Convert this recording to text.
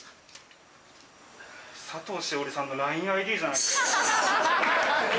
佐藤栞里さんのＬＩＮＥＩＤじゃないですか。